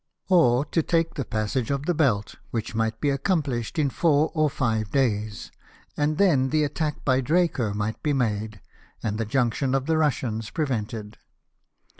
Or to take the passage of the Belt, which might be accomplished in four or 218 LIFE OF NELSON. five days, and tlien the attack by Draco miglit be made^ and the junction of the Kussians prevented.